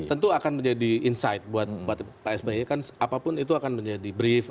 tentu akan menjadi insight buat pak sby kan apapun itu akan menjadi brief